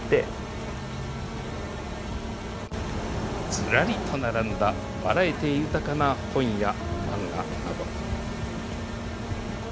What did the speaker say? ずらりと並んだ、バラエティー豊かな本や漫画など。